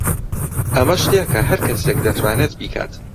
ئەمە شتێکە هەر کەسێک دەتوانێت بیکات.